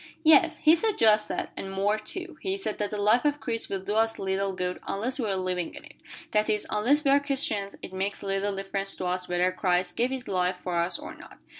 "Yes, he said just that, and more, too. He said that the life of Christ will do us little good unless we are living in it; that is, unless we are Christians, it makes little difference to us whether Christ gave His life for us or not."